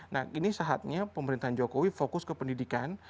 nah ini saatnya pemerintahan jokowi fokus ke pendidikan